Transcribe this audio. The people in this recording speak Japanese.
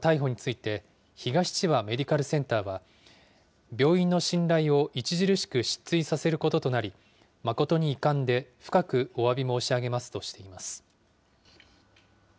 元幹部の逮捕について、東千葉メディカルセンターは、病院の信頼を著しく失墜させることとなり、誠に遺憾で、深くおわび申し上げますとしています。